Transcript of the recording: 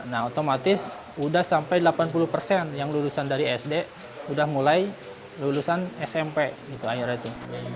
nah otomatis udah sampai delapan puluh persen yang lulusan dari sd udah mulai lulusan smp gitu ayora itu